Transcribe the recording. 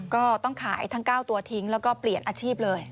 ก็ต้องขายทั้ง๙ตัวทิ้งแล้วก็เปลี่ยนอาชีพเลย